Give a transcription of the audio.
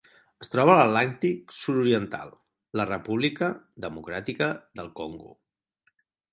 Es troba a l'Atlàntic sud-oriental: la República Democràtica del Congo.